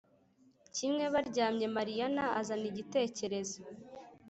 kimwe baryamye Mariyana azana igitekerezo